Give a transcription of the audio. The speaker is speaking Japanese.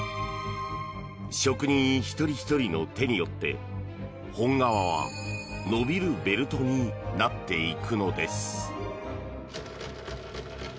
職人一人ひとりの手によって本革は伸びるベルトになっていくのです。